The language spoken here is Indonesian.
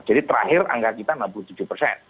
jadi terakhir angka kita enam puluh tujuh persen